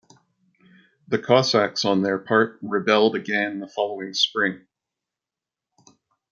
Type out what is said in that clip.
The Cossacks on their part rebelled again the following spring.